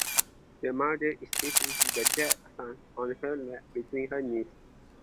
The mother is sitting with the dead son on her lap between her knees.